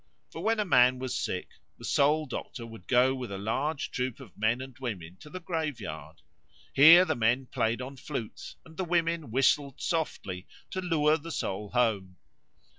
For when a man was sick the soul doctor would go with a large troop of men and women to the graveyard. Here the men played on flutes and the women whistled softly to lure the soul home.